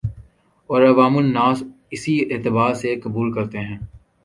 اور عوام الناس اسی اعتبار سے اسے قبول کرتے ہیں